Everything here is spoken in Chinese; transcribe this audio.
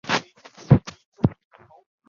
之后与索尼音乐娱乐正式签约出道。